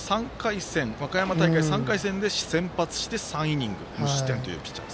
和歌山大会３回戦で先発して、３イニング無失点というピッチャー。